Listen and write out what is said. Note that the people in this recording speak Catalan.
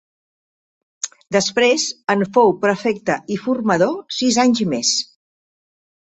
Després, en fou prefecte i formador sis anys més.